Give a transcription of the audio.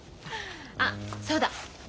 あっそうだ。